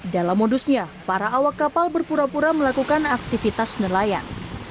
dalam modusnya para awak kapal berpura pura melakukan aktivitas nelayan